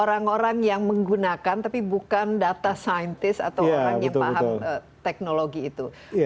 orang orang yang menggunakan tapi bukan data scientist atau orang yang paham teknologi itu